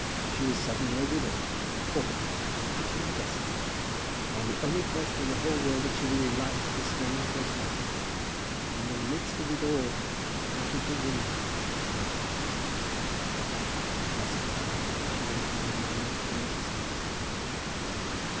She was suddenly a widow, a pauper, and utterly desolate, while the only person in the whole world that she really liked was standing close to her. But in the midst of it all she counted the windows of the house opposite. Had it been possible for her she would have put her mind altogether to sleep.